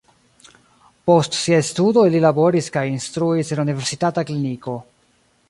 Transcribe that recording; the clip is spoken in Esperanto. Post siaj studoj li laboris kaj instruis en la universitata kliniko.